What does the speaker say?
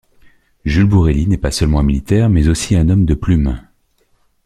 Jules Bourelly n'est pas seulement un militaire mais aussi un homme de plume.